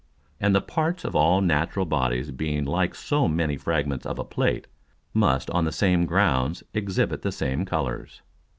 And the parts of all natural Bodies being like so many Fragments of a Plate, must on the same grounds exhibit the same Colours.